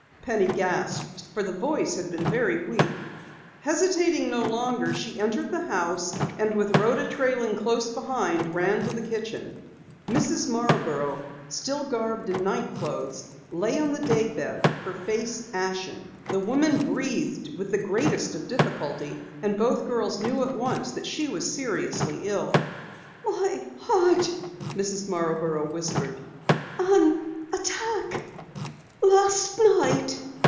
Penny gasped, for the voice had been very weak. Hesitating no longer, she entered the house, and with Rhoda trailing close behind, ran to the kitchen. Mrs. Marborough, still garbed in night clothing, lay on the daybed, her face ashen. The woman breathed with the greatest of difficulty, and both girls knew at once that she was seriously ill. "My heart " Mrs. Marborough whispered. "An attack last night."